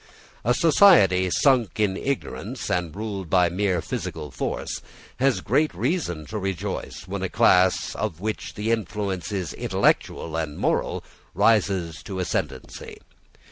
A society sunk in ignorance, and ruled by mere physical force, has great reason to rejoice when a class, of which the influence is intellectual and moral, rises to ascendancy.